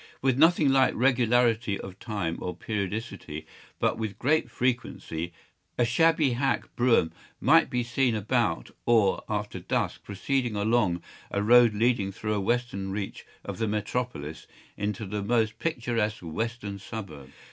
With nothing like regularity of time or periodicity, but with great frequency, a shabby hack brougham might be seen about or after dusk proceeding along a road leading through a western reach of the metropolis into the most picturesque western suburb.